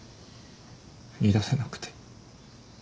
言い出せなくて。